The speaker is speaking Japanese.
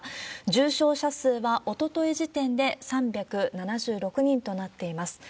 重症者数はおととい時点で３７６人となっています。